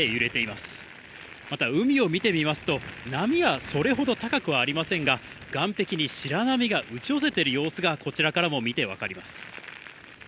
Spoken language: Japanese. また、海を見てみますと、波はそれほど高くはありませんが、岸壁に白波が打ち寄せている様子が、こちらからも見て分かります。